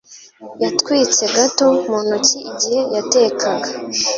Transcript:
Yatwitse gato mu ntoki igihe yatekaga